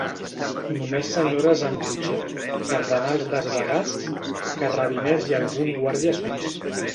Només senyores amb cotxet, cardenals desvagats, carrabiners i algun guàrdia suís.